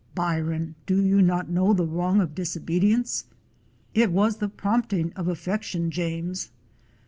Byron, do you not know the wrong of disobedience?" "It was the prompting of affection, J ames."